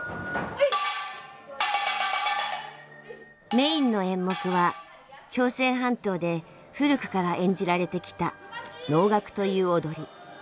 メインの演目は朝鮮半島で古くから演じられてきた「農楽」という踊り。